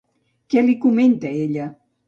Què li comenta ella?